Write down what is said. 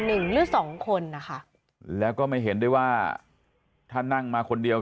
หนึ่งหรือสองคนนะคะแล้วก็ไม่เห็นด้วยว่าถ้านั่งมาคนเดียว